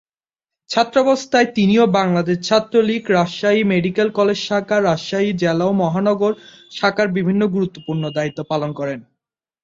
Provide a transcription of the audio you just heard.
ছাত্রাবস্থায় তিনিও Bangladesh Chhatra League Rajshahi medical college শাখা, রাজশাহী জেলা ও মহানগর শাখার বিভিন্ন গুরুত্বপূর্ণ দায়িত্ব পালন করেন।